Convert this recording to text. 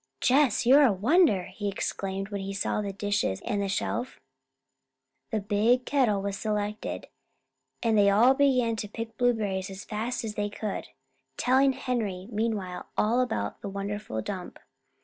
"Jess, you're a wonder!" he exclaimed when he saw the dishes and the shelf. The big kettle was selected, and they all began to pick blueberries as fast as they could, telling Henry meanwhile all about the wonderful dump.